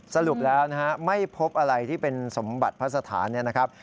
สรุปแล้วนะฮะไม่พบอะไรที่เป็นสมบัติพระสถานเนี่ยนะครับ